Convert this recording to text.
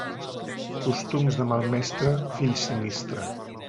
Costums de mal mestre, fill sinistre.